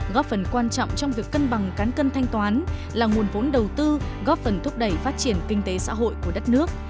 góp phần quan trọng trong việc cân bằng cán cân thanh toán là nguồn vốn đầu tư góp phần thúc đẩy phát triển kinh tế xã hội của đất nước